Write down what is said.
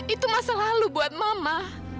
itu masa lalu buat mama